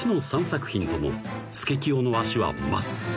３作品ともスケキヨの足は真っすぐ］